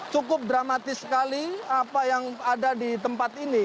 cukup dramatis sekali apa yang ada di tempat ini